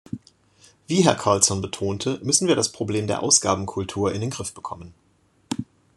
Wie Herr Karlsson betonte, müssen wir das Problem der Ausgabenkultur in den Griff bekommen.